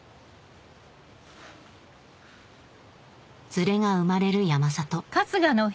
ズレが生まれる山里